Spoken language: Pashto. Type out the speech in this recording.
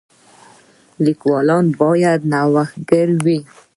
لیکوال باید نوښتګر وي.